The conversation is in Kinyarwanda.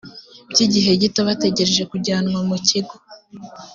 by igihe gito bategereje kujyanwa mu kigo